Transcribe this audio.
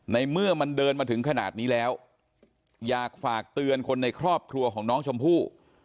ในเมื่อมันเดินมาถึงขนาดนี้แล้วอยากฝากเตือนคนในครอบครัวของน้องชมพู่